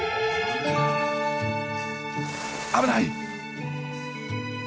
危ない！